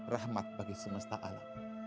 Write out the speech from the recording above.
rahmat bagi semesta alam